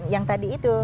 yang tadi itu